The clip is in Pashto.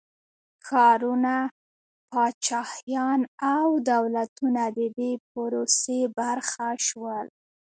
ښارونه، پاچاهيان او دولتونه د دې پروسې برخه شول.